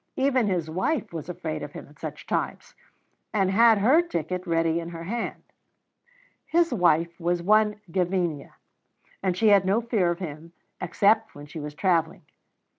Even his wife was afraid of him at such times, and had her ticket ready in her hand. His wife was one Gavinia, and she had no fear of him except when she was travelling.